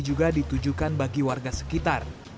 juga ditujukan bagi warga sekitar